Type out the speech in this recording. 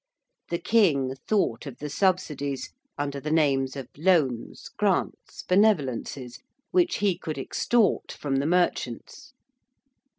The King thought of the subsidies under the names of loans, grants, benevolences which he could extort from the merchants.